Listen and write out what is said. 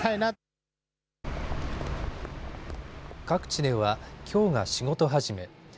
各地では、きょうが仕事始め。